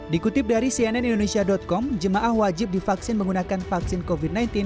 dikutip dari cnn indonesia com jemaah wajib divaksin menggunakan vaksin covid sembilan belas